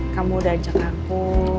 kamu udah ajak aku